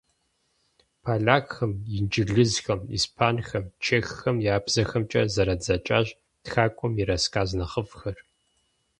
Полякхэм, инджылызхэм, испанхэм, чеххэм я бзэхэмкӀэ зэрадзэкӀащ тхакӀуэм и рассказ нэхъыфӀхэр.